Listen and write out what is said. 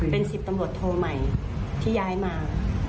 เป็น๑๐ตำรวจโทใหม่ที่ย้ายมา